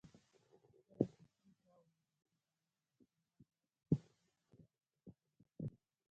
کله چې فري ټاون د برېټانوي استعمار لاس ته ولوېد نو داسې وشول.